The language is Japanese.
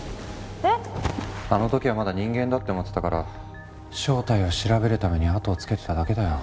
あの時はまだ人間だって思ってたから正体を調べるために後をつけてただけだよ。